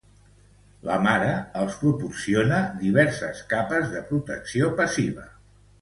La mare els proporciona diverses capes de protecció passiva.